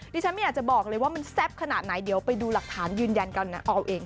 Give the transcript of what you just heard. ดิฉันไม่อยากจะบอกเลยว่ามันแซ่บขนาดไหนเดี๋ยวไปดูหลักฐานยืนยันกันนะเอาเอง